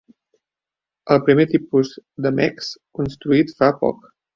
El primer tipus de "mechs" construït fa poc.